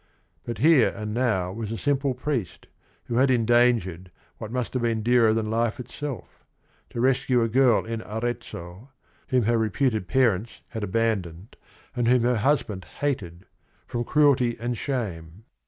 But here and now was a simple priest who had endan gered what must have been dearer than life itself, to rescue a girl in Arezzo, whom her reputed parents had abandoned and whom her husband hated, from cruelty and shame.